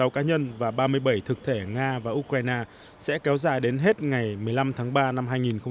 một trăm bốn mươi sáu cá nhân và ba mươi bảy thực thể nga và ukraine sẽ kéo dài đến hết ngày một mươi năm tháng ba năm hai nghìn một mươi bảy